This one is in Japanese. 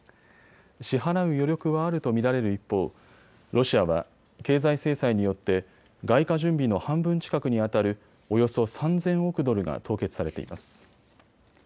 支払う余力はあると見られる一方、ロシアは経済制裁によって外貨準備の半分近くにあたるおよそ３０００億ドルが凍結されています。